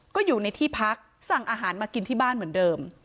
ก็อยู่ในที่พักสั่งอาหารมากินที่บ้านเหมือนเดิม